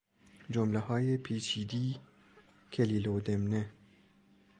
جملههای پیچیدی کلیله و دمنه